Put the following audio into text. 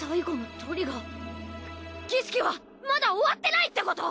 儀式はまだ終わってないってこと！？